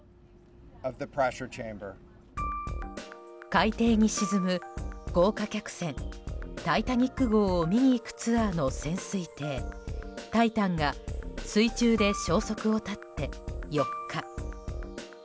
海底に沈む豪華客船「タイタニック号」を見に行くツアーの潜水艇「タイタン」が水中で消息を絶って４日。